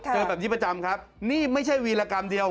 เจอแบบนี้ประจำครับนี่ไม่ใช่วีรกรรมเดียว